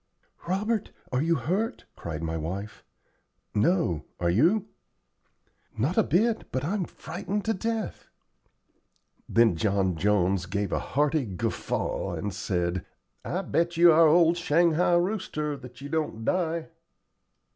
"Robert, are you hurt?" cried my wife. "No, are you?" "Not a bit, but I'm frightened to death." Then John Jones gave a hearty guffaw and said: "I bet you our old shanghai rooster that you don't die."